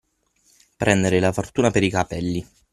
Prendere la fortuna per i capelli.